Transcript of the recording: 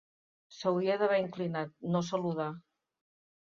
S'hauria d'haver inclinat, no saludar